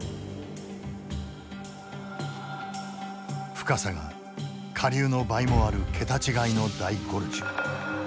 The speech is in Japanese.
深さが下流の倍もある桁違いの大ゴルジュ。